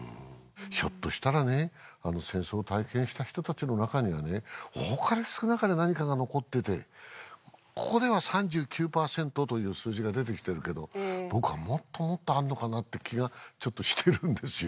ひょっとしたらねあの戦争を体験した人たちの中にはね多かれ少なかれ何かが残っててここでは３９％という数字が出てきてるけど僕はもっともっとあるのかなって気がちょっとしてるんですよ